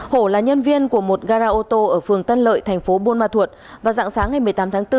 hổ là nhân viên của một gara ô tô ở phường tân lợi tp buôn ma thuột và dặng sáng ngày một mươi tám tháng bốn